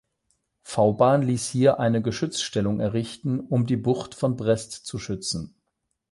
Vauban ließ hier eine Geschützstellung errichten, um die Bucht von Brest zu schützen.